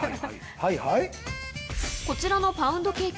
こちらのパウンドケーキ。